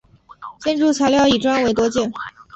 建筑材料以砖为多见。